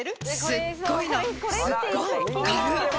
すっごいのすっごいかるっ